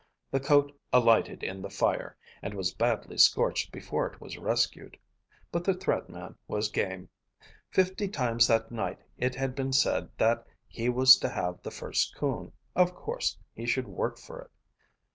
The coat alighted in the fire, and was badly scorched before it was rescued. But the Thread Man was game. Fifty times that night it had been said that he was to have the first coon, of course he should work for it.